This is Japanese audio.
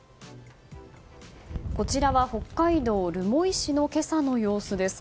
こちらは北海道留萌市の今朝の様子です。